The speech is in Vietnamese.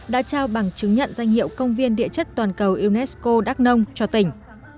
đã trao bằng chứng nhận danh hiệu công viên địa chất toàn cầu unesco đắk nông cho tỉnh